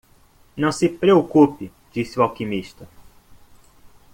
"Não se preocupe?", disse o alquimista.